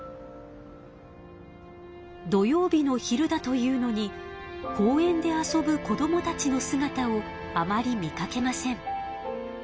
土曜日の昼だというのに公園で遊ぶ子どもたちのすがたをあまり見かけません。